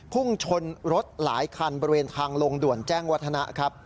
พุ่งชนรถหลายคันบริเวณทางลงด่วนแจ้งวัฒนะครับ